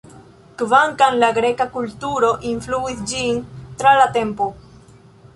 Kvankam la greka kulturo influis ĝin tra la tempo.